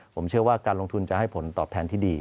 ผมเชื่อว่าการลงทุนจะให้ผลตอบแทนที่ดี